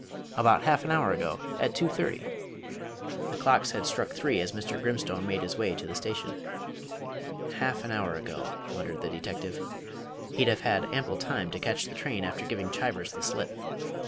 "About half an hour ago at 2.30." The clocks had struck three as Mr. Grimstone made his way to the station. "Half an hour ago," muttered the detective. "He'd have had ample time to catch the train after giving Chivers the slip."